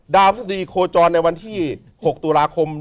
ดาวสุดีโคจรในวันที่๖ตุลาคม